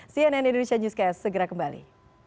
cnn indonesia newscast segera kembali